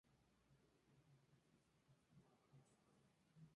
Actualmente es un espacio natural cuidado bordeando el oscuro bosque de las Ardenas.